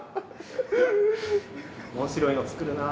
面白いの作るな。